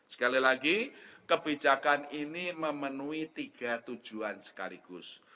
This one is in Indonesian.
sekali lagi kebijakan ini memenuhi tiga tujuan sekaligus